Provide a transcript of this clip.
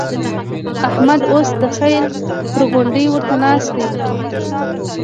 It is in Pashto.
احمد اوس د خير پر غونډۍ ورته ناست دی.